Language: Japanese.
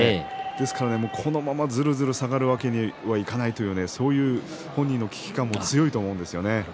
ですから、このままずるずる下がるわけにはいかないというそういう本人の危機感も強いと思うんですよね。